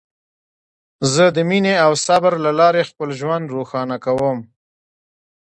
زه د مینې او صبر له لارې خپل ژوند روښانه کوم.